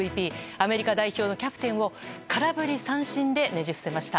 アメリカ代表のキャプテンを空振り三振でねじ伏せました。